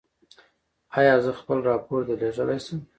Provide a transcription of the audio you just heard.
ایا زه خپل راپور درلیږلی شم؟